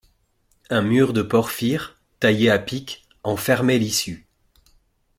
Un mur de porphyre, taillé à pic, en fermait l’issue.